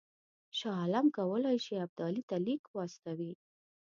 شاه عالم کولای شي ابدالي ته لیک واستوي.